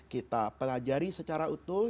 kita pelajari secara utuh